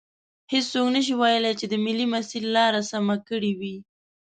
هیڅوک نشي ویلی چې د ملي مسیر لار سمه کړي وي.